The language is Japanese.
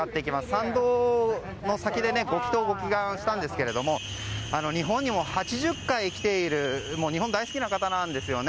参道の先でご祈祷、ご祈願したんですが日本にも８０回来ている日本大好きな方です。